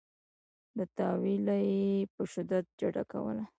له تأویله یې په شدت ډډه کوله.